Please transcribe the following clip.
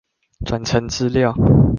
轉成資料